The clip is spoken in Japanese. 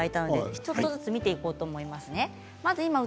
ちょっとずつ見ていこうと思います。